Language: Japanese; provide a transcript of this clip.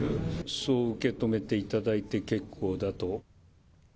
そう受け止めていただいて結構だと。